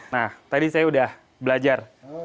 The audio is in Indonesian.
nah tadi saya udah belajar